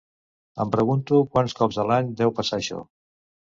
Em pregunto quants cops a l'any deu passar això.